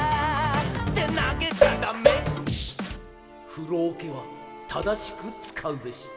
「ふろおけはただしくつかうべし」